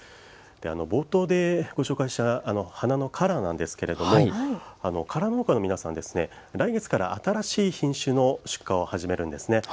冒頭でご紹介した花のカラーなんですけれども、カラー農家の皆さん、来月から新しい品種の出荷を始めるんですね。